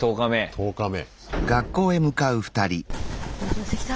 １０日目。